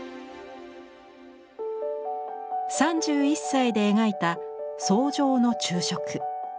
３１歳で描いた「草上の昼食」。